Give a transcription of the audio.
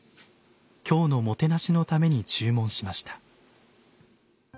今日のもてなしのために注文しました。